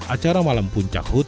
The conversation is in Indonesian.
acara malam puncak hutan